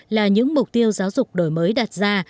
là những mục tiêu giáo dục đổi mới đặt ra